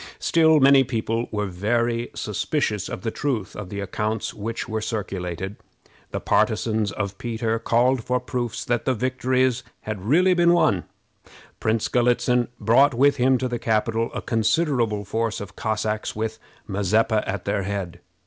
Still many people were very suspicious of the truth of the accounts which were circulated. The partisans of Peter called for proofs that the victories had really been won. Prince Galitzin brought with him to the capital a considerable force of Cossacks, with Mazeppa at their head.